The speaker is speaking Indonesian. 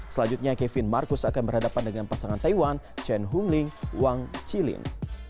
selanjutnya kevin marcus akan berhadapan dengan pasangan taiwan chen hungling wang qilin